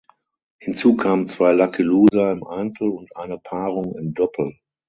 Hinzu kamen zwei Lucky Loser im Einzel und eine Paarung im Doppel.